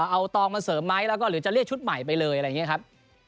เอาตองมาเสริมไหมแล้วก็หรือจะเรียกชุดใหม่ไปเลยอะไรอย่างนี้ครับ